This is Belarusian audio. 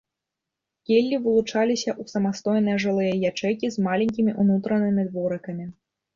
Келлі вылучаліся ў самастойныя жылыя ячэйкі з маленькімі ўнутранымі дворыкамі.